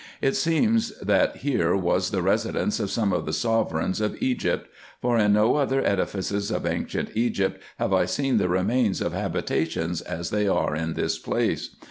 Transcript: It seems that here was the residence of some of the sovereigns of Egypt ; for in no other edifices of ancient Egypt have I seen the remains of habitations as they are in this place.